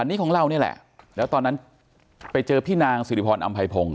อันนี้ของเรานี่แหละแล้วตอนนั้นไปเจอพี่นางสิริพรอำไพพงศ